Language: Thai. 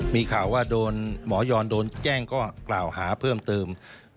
มีข่าวว่าโดนหมอยอนโดนแจ้งก็กล่าวหาเพิ่มเติม